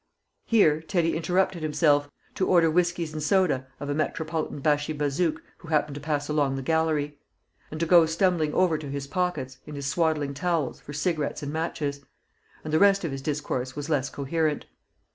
Here Teddy interrupted himself to order whiskies and soda of a metropolitan Bashi Bazouk who happened to pass along the gallery; and to go stumbling over to his pockets, in his swaddling towels, for cigarettes and matches. And the rest of his discourse was less coherent.